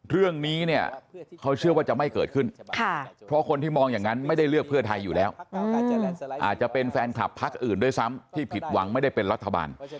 เรื่องนี้เนี่ยเขาเชื่อว่าจะไม่เกิดขึ้นเพราะคนที่มองอย่างนั้นไม่ได้เลือกเพื่อไทยอยู่แล้วอาจจะเป็นแฟนคลับพักอื่นด้วยซ้ำที่ผิดหวังไม่ได้เป็นรัฐบาล